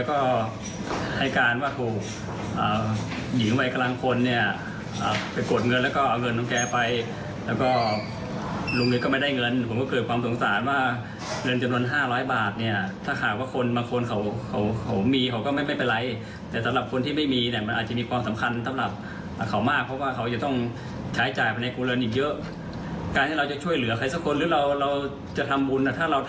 จะทำบุญอะถ้าเราทำแล้วก็คือเราเห็นว่าคือคนที่เขาเอาไปแล้วเขามีความสุขอะเราก็มีความสุขด้วย